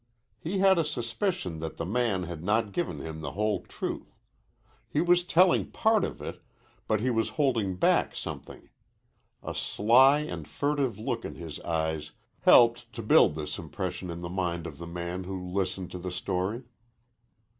He had a suspicion that the man had not given him the whole truth. He was telling part of it, but he was holding back something. A sly and furtive look in his eyes helped to build this impression in the mind of the man who listened to the story.